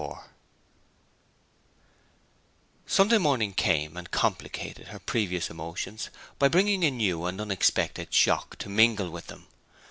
XXXIV Sunday morning came, and complicated her previous emotions by bringing a new and unexpected shock to mingle with them.